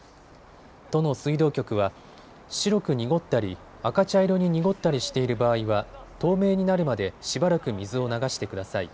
都の水道局は白く濁ったり赤茶色に濁ったりしている場合は透明になるまでしばらく水を流してください。